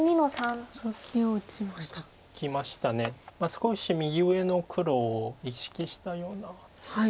少し右上の黒を意識したような。